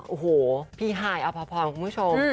โอ้โหพี่ฮายอภพรคุณผู้ชม